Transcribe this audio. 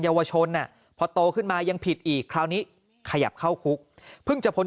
เยาวชนพอโตขึ้นมายังผิดอีกคราวนี้ขยับเข้าคุกเพิ่งจะพ้น